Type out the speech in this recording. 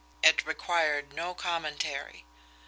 It required no commentary!